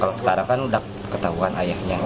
kalau sekarang kan udah ketahuan ayahnya